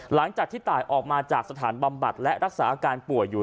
หลังจากที่ตายออกมาจากสถานบำบัดและรักษาอาการป่วยอยู่